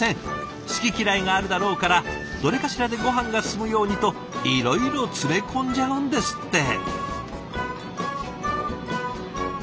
好き嫌いがあるだろうからどれかしらでごはんが進むようにといろいろ詰め込んじゃうんですって。